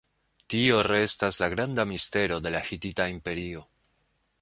Tio restas la granda mistero de la Hitita Imperio.